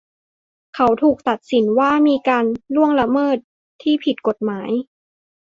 เขาถูกตัดสินว่ามีการล่วงละเมิดที่ผิดกฎหมาย